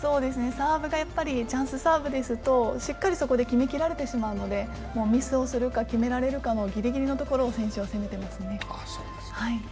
サーブが、チャンスサーブですとしっかりそこで決めきられてしまうので、ミスをするか、決められるかの、ぎりぎりのところを選手は攻めていますね。